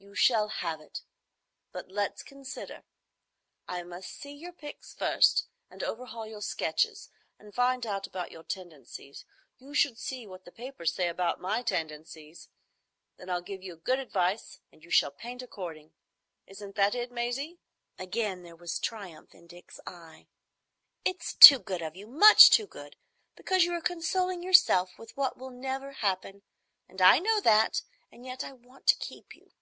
"You shall have it. But let's consider. I must see your pics first, and overhaul your sketches, and find out about your tendencies. You should see what the papers say about my tendencies! Then I'll give you good advice, and you shall paint according. Isn't that it, Maisie?" Again there was triumph in Dick's eye. "It's too good of you,—much too good. Because you are consoling yourself with what will never happen, and I know that, and yet I want to keep you.